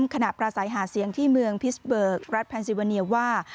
ขณะประสายหาเสียงที่เมืองพิสเบิร์กรัฐแพนซิเวอร์เนียวว่า